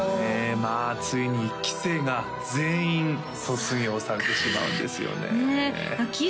まあついに１期生が全員卒業されてしまうんですよねねえキイ